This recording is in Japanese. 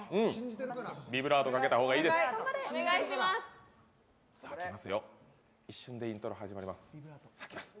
ビブラードかけた方がいいです。